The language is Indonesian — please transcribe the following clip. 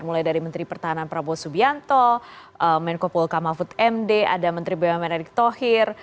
mulai dari menteri pertahanan prabowo subianto menkopol kamal food md ada menteri bma menerik tohir